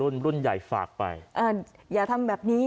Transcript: ถ้าคุณทำแบบนี้